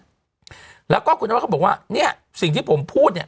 แล้วก็คุณนวัดเขาบอกว่าเนี่ยสิ่งที่ผมพูดเนี่ย